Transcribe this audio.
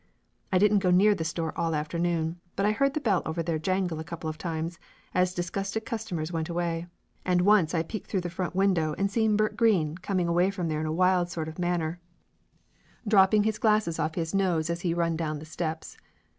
I didn't go near the store all afternoon, but I heard the bell over there jangle a couple of times as disgusted customers went away, and once I peeked through the front window and seen Bert Green com ing away from there in a wild sort of manner, drop 52 Laughter Limited ping the glasses off his nose as he run down the steps.